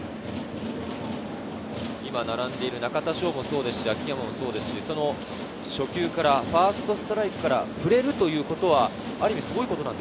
中田翔もそうですし、秋山もそうですし、初球からファーストストライクから振れるということはある意味す